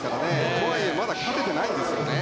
とはいえまだ勝ててないんですね。